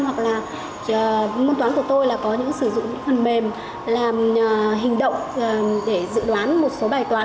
hoặc là môn toán của tôi là có những sử dụng những phần mềm làm hành động để dự đoán một số bài toán